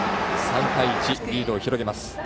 ３対１、リードを広げます。